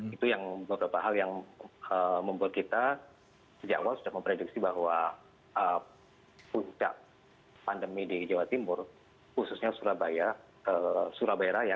itu yang beberapa hal yang membuat kita sejak awal sudah memprediksi bahwa puncak pandemi di jawa timur khususnya surabaya raya